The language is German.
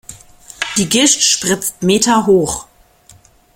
Die Gischt spritzt meterhoch.